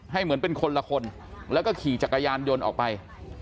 เหมือนเป็นคนละคนแล้วก็ขี่จักรยานยนต์ออกไป